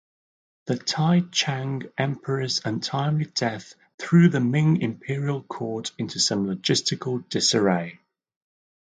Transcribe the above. The Taichang Emperor's untimely death threw the Ming imperial court into some logistical disarray.